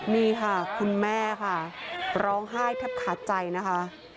นี่ค่ะคุณแม่ค่ะร้องไห้แทบขาดใจนะคะ